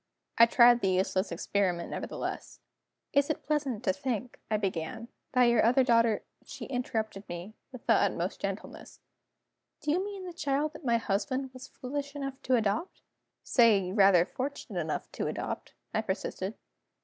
I tried the useless experiment, nevertheless. "It is pleasant to think," I began, "that your other daughter " She interrupted me, with the utmost gentleness: "Do you mean the child that my husband was foolish enough to adopt?" "Say rather fortunate enough to adopt," I persisted.